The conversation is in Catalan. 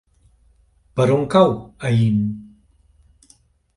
Per on cau Aín?